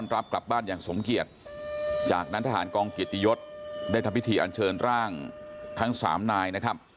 รับกลับบ้านอย่างสมเกียจจากนั้นทหารกองเกียรติยศได้ทำพิธีอันเชิญร่างทั้งสามนายนะครับ